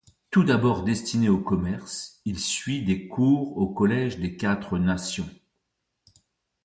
Tout d'abord destiné au commerce, il suit des cours au collège des Quatre-Nations.